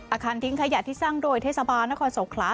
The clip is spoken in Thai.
อาคารทิ้งขยะที่สร้างโดยเทศบาลนครสงขลา